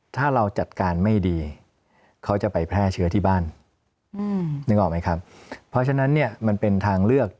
ถ้าเราจัดการไม่ดีเขาจะไปแพร่เชื้อที่บ้านนึกออกไหมครับเพราะฉะนั้นเนี่ยมันเป็นทางเลือก